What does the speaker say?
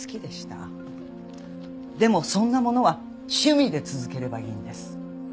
でもそんなものは趣味で続ければいいんです。